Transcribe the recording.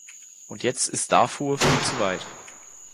Und jetzt ist Darfur viel zu weit.